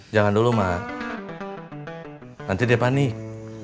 jangan dulu mah nanti dia panik